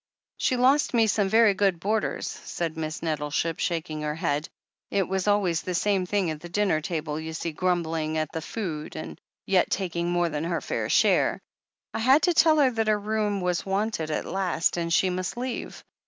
She lost me some very good boarders," said Miss Net tleship, shaking her head. "It was always the same thing at the dinner table, you see — grumbling at the food, yet taking more than her fair share. I had to tell her that her room was wanted at last, and she must leave.